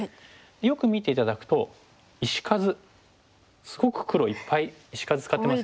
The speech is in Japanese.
よく見て頂くと石数すごく黒いっぱい石数使ってますよね。